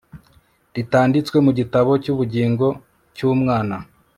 ritanditswe mu gitabo cy ubugingo cy umwana